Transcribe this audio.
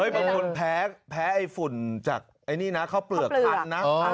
มีคนแพ้ฝุ่นจากข้าวเปลือกครั้ง